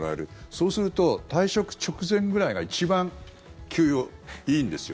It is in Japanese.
そうすると、退職直前ぐらいが一番給与、いいんですよね。